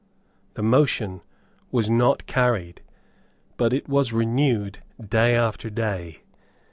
The motion was not carried; but it was renewed day after day.